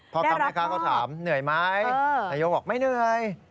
พ่อค้าแม่ค้าเขาถามเหนื่อยไหมนายกบอกไม่เหนื่อย